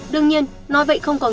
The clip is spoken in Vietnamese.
đương nhiên nói vậy không còn gì